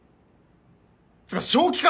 つうか正気か？